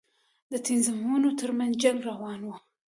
د تنظيمونو تر منځ جنگ روان و.